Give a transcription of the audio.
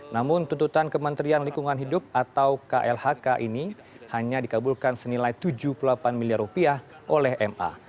namun tuntutan kementerian lingkungan hidup atau klhk ini hanya dikabulkan senilai tujuh puluh delapan miliar rupiah oleh ma